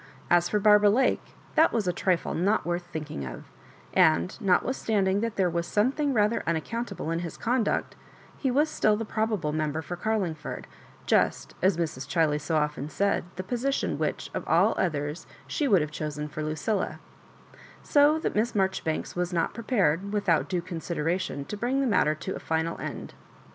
As for Barbara Lake, that was a trifle not worth thinking of; and, notwithstanding that there was something rather unaccountable in his conduct, he was still the probable member for Carlingford, just, asMrs* Ohiley so often said, the position which, of all others, she would have chosen for LuciUa; so that Miss Marjoribanks was not prepared, without due consideration, to bring the matter to a final end.